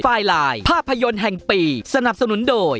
ไฟล์ไลน์ภาพยนตร์แห่งปีสนับสนุนโดย